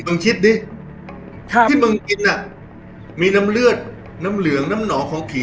คิดดิที่มึงกินน่ะมีน้ำเลือดน้ำเหลืองน้ำหอของผี